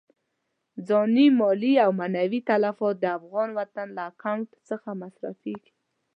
ځاني، مالي او معنوي تلفات د افغان وطن له اکاونټ څخه مصرفېږي.